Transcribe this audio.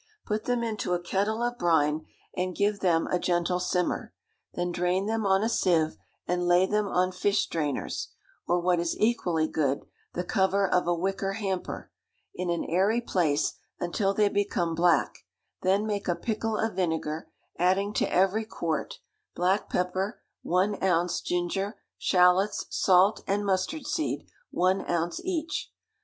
Put them into a kettle of brine, and give them a gentle simmer, then drain them on a sieve, and lay them on fish drainers (or what is equally good, the cover of a wicker hamper), in an airy place, until they become black; then make a pickle of vinegar, adding to every quart, black pepper one ounce, ginger; shalots, salt, and mustard seed, one ounce each.